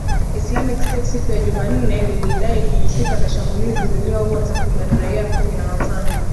Islamic State siku ya Jumanne lilidai kuhusika na shambulizi lililoua takribani raia kumi na watano